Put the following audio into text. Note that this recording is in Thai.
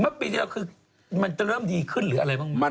ปีเดียวคือมันจะเริ่มดีขึ้นหรืออะไรบ้าง